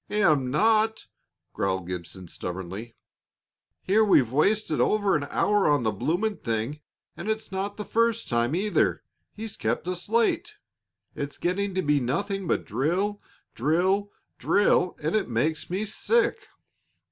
"Am not!" growled Gibson, stubbornly. "Here we've wasted over an hour on the blooming thing, and it's not the first time, either, he's kept us late. It's getting to be nothing but drill, drill, drill, and it makes me sick."